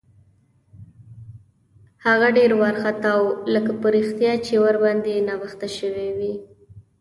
هغه ډېر وارخطا و، لکه په رښتیا چې ورباندې ناوخته شوی وي.